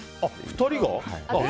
２人が？